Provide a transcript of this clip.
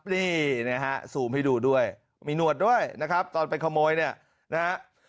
นี่นะฮะซูมให้ดูด้วยมีหนวดด้วยนะครับตอนไปขโมยเนี่ยนะฮะ